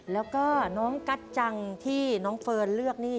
แล้วก็น้องกัจจังที่น้องเฟิร์นเลือกนี่